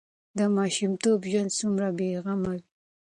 د ماشومتوب ژوند څومره بې غمه وي.